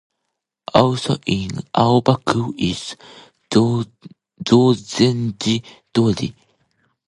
Also in Aoba-ku is Jozenji-Dori.